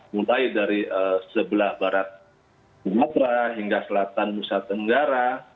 mulai dari sebelah barat sumatera hingga selatan nusa tenggara